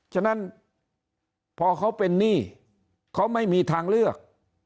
ฉะนั้นพอเขาเป็นหนี้เขาไม่มีทางเลือก